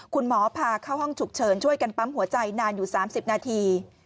คุณหมอพาเข้าห้องฉุกเฉินช่วยกันปั๊มหัวใจนานอยู่๓๐นาที